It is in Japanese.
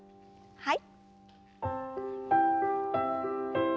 はい。